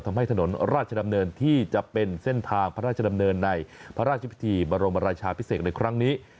ถนนราชดำเนินที่จะเป็นเส้นทางพระราชดำเนินในพระราชพิธีบรมราชาพิเศษในครั้งนี้